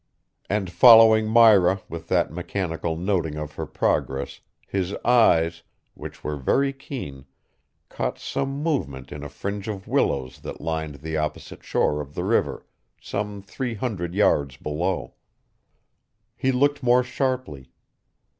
And following Myra with that mechanical noting of her progress, his eyes, which were very keen, caught some movement in a fringe of willows that lined the opposite shore of the river some three hundred yards below. He looked more sharply.